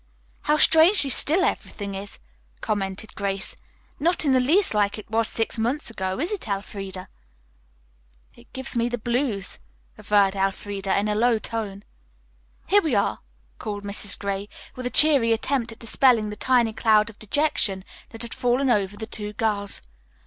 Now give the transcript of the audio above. "How strangely still everything is," commented Grace. "Not in the least like it was six months ago, is it, Elfreda?" "It gives me the blues," averred Elfreda in a low tone. "Here we are," called Mrs. Gray, with a cheery attempt at dispelling the tiny cloud of dejection that had fallen over the two girls.